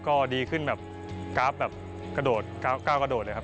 ก็ดีขึ้นแบบก้าวกระโดดเลยครับ